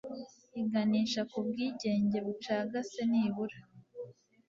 iganisha ku bwigenge bucagase nibura